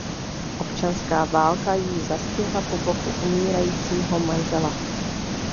Občanská válka jí zastihla po boku umírajícího manžela.